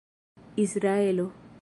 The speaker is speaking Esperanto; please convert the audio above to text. israelo